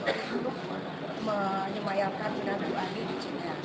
untuk menyemayangkan tuan ibu ani di china